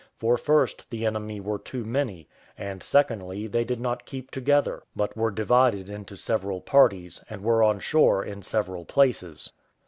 For, first, the enemy were too many; and secondly, they did not keep together, but were divided into several parties, and were on shore in several places.